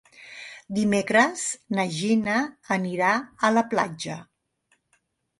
Dimecres na Gina anirà a la platja.